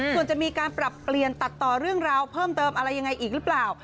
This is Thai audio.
ส่วนจะมีการปรับเปลี่ยนตัดต่อเรื่องราวเพิ่มเติมอะไรยังไงอีกหรือเปล่า